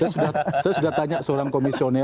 saya sudah tanya seorang komisioner